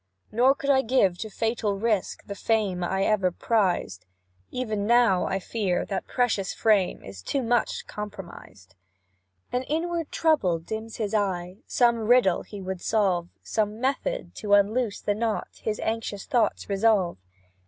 "Nor could I give to fatal risk The fame I ever prized; Even now, I fear, that precious fame Is too much compromised." An inward trouble dims his eye, Some riddle he would solve; Some method to unloose a knot, His anxious thoughts revolve.